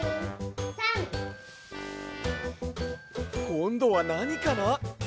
こんどはなにかな？